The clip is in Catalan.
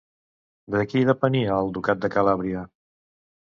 De qui depenia el ducat de Calàbria?